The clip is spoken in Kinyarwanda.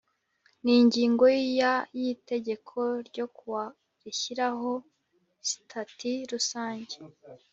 N ingingo ya y itegeko ryo ku wa rishyiraho sitati rusange